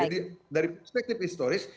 jadi dari perspektif historis